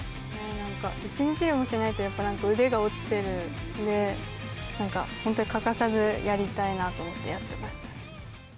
なんか一日でもしないとやっぱなんか、腕が落ちてるんで、なんか本当に欠かさずやりたいなと思ってやってました。